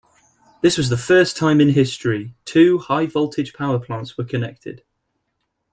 This was the first time in history two high-voltage power plants were connected.